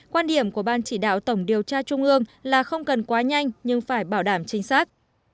quan điểm của ban chỉ đạo tổng điều tra trung ương là không cần quá nhanh nhưng phải bảo đảm chính xác